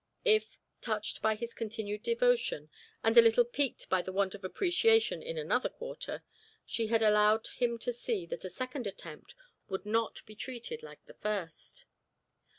If, touched by his continued devotion, and a little piqued by the want of appreciation in another quarter, she had allowed him to see that a second attempt would not be treated like the first?